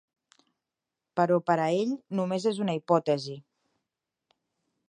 Però per a ell només és una hipòtesi.